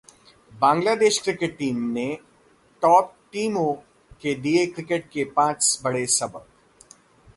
Bangladesh cricket team ने top टीमों को दिए क्रिकेट के पांच बड़े सबक